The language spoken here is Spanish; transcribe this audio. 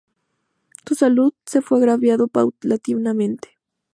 Su salud se fue agravando paulatinamente.